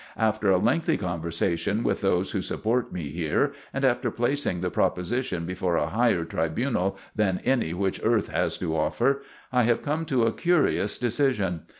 After a lengthy conversation with those who support me here, and after placing the proposition before a higher tribunal than any which earth has to offer, I have come to a curious decision.